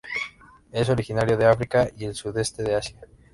Es originario de África y el sudeste de Asia.